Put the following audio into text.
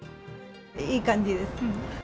いい感じです。